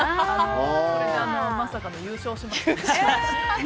これで、まさかの優勝しました。